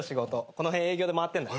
この辺営業で回ってんだ。